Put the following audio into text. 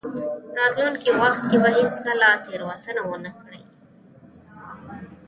راتلونکي وخت کې به هېڅکله تېروتنه ونه کړئ.